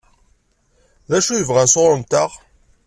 D acu i bɣan sɣur-nteɣ?